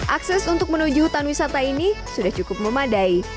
akses untuk menuju hutan wisata ini sudah cukup memadai